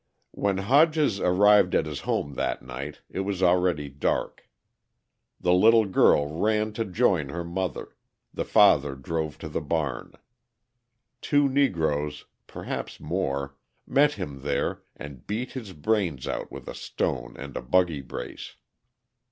When Hodges arrived at his home that night, it was already dark. The little girl ran to join her mother; the father drove to the barn. Two Negroes perhaps more met him there and beat his brains out with a stone and a buggy brace.